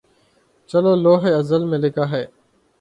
جو لوح ازل میں لکھا ہے